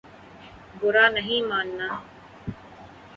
برا نہیں ماننا